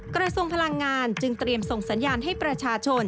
กระทรวงพลังงานจึงเตรียมส่งสัญญาณให้ประชาชน